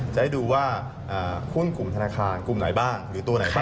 จะให้ดูว่าหุ้นกลุ่มธนาคารกลุ่มไหนบ้างหรือตัวไหนบ้าง